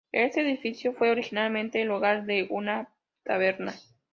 Este edificio fue originalmente el hogar de una taberna.